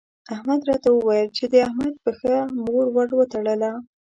احمد راته وويل چې د احمد پښه مو ور وتړله.